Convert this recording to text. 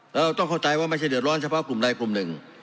แล้วเราต้องเข้าใจว่าไม่ใช่เดือดร้อนเฉพาะกลุ่มใดกลุ่มหนึ่ง